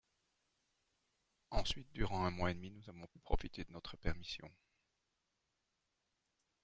Ensuite durant un mois et demi nous avons pu profiter de notre permission